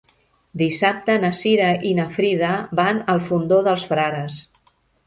Dissabte na Cira i na Frida van al Fondó dels Frares.